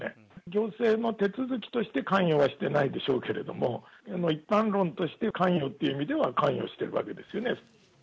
行政の手続きとして関与はしてないんでしょうけれども、一般論として関与という意味では、関与してるわけですよね。